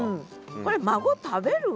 これ孫食べるわ。